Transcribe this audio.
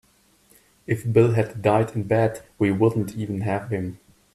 If Bill had died in bed we wouldn't even have him.